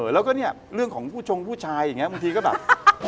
แล้วก็เนี่ยเรื่องของผู้ชงผู้ชายอย่างนี้บางทีก็แบบ